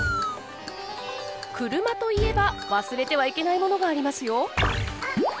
車といえば忘れてはいけないものがありますよ。